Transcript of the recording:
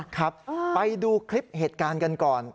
ครับไปดูคลิปเหตุการณ์กันก่อน